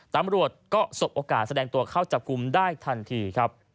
ตำรวจก็สบโอกาสแสดงตัวเข้าจับกลุ่มได้ทันทีครับ